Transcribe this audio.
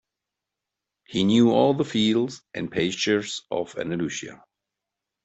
He knew all the fields and pastures of Andalusia.